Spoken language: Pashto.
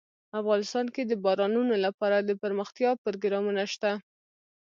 افغانستان کې د بارانونو لپاره دپرمختیا پروګرامونه شته.